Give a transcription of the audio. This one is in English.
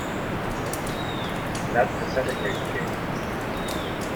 That's the centigrade scale.